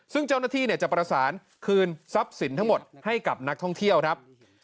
ซึ่งเจ้าหน้าที่จะประสานคืนทรัพย์สินทั้งหมดให้กับนักท่องเที่ยวครับ